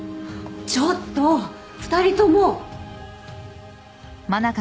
ちょっと２人とも。